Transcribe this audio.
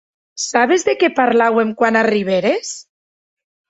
Sabes de qué parlàuem quan arribères?